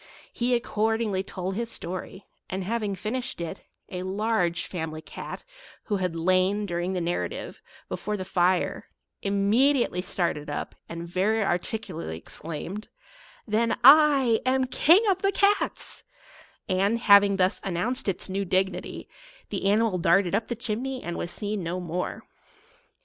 He accordingly told his sto ry, and, having finished it, a large family cat, who had lain, during the narrative, before the nre, immediately started up, and very articu lately exclaimed, " Then I am King of the Cats /" and, having thus announced its new dignity, the animal darted up the chimney and was seen no more.